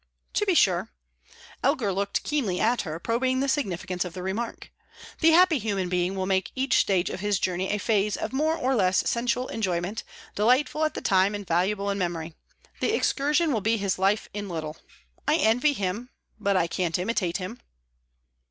"To be sure." Elgar looked keenly at her, probing the significance of the remark. "The happy human being will make each stage of his journey a phase of more or less sensual enjoyment, delightful at the time and valuable in memory. The excursion will be his life in little. I envy him, but I can't imitate him."